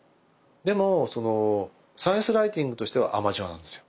でもサイエンスライティングとしてはアマチュアなんですよ。